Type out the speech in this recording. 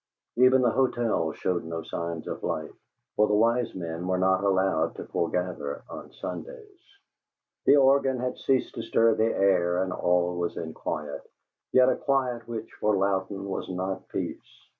Even the hotel showed no signs of life, for the wise men were not allowed to foregather on Sundays. The organ had ceased to stir the air and all was in quiet, yet a quiet which, for Louden, was not peace.